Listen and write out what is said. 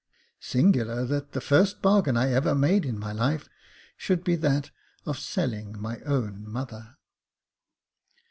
Singular that the first bargain I ever made in my life should be that of selling my own mother.